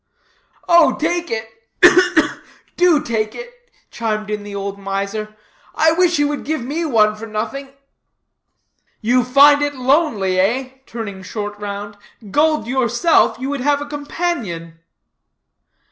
"Oh, take it ugh, ugh! do take it," chimed in the old miser; "I wish he would give me one for nothing." "You find it lonely, eh," turning short round; "gulled yourself, you would have a companion."